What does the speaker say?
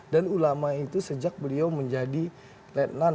dan ulama itu sejak beliau menjadi letlan